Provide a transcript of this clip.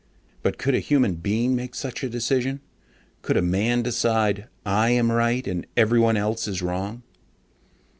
But could a human being make such a decision? Could a man decide, "I am right, and everyone else is wrong?"